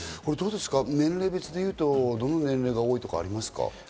年齢別で言うと、どの年齢が多いとかありますか？